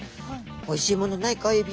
「おいしいものないかエビ？」。